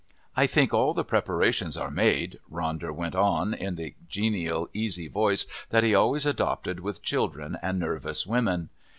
"I think all the preparations are made," Ronder went on in the genial easy voice that he always adopted with children and nervous women.